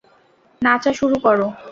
নাচা শুরু করো।